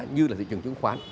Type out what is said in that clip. như là thị trường chứng khoán